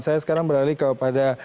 saya sekarang beralih kepada